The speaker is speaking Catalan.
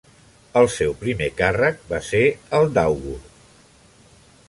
El seu primer càrrec va ser el d'àugur.